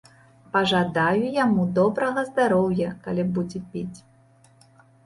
Пажадаю яму добрага здароўя, калі будзе піць.